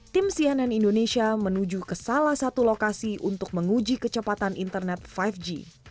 tim cnn indonesia menuju ke salah satu lokasi untuk menguji kecepatan internet lima g